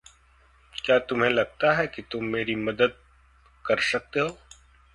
क्या तुम्हें लगता है कि तुम मेरी मदत कर सकते हो?